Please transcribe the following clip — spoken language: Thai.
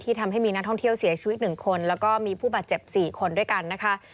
ทำให้มีนักท่องเที่ยวเสียชีวิต๑คนแล้วก็มีผู้บาดเจ็บ๔คนด้วยกันนะคะ